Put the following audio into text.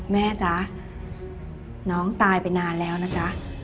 แม่จ๊ะน้องตายไปนานแล้วนะจ๊ะ